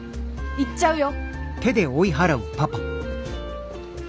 行っちゃうよ！？